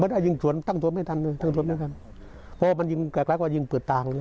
ไม่ได้ยิงส่วนตั้งตรวจไม่ทันเลยตั้งตรวจไม่ทัน